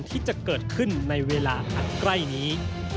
ที่จะเกิดขึ้นในเวลาหัดใกล้นี้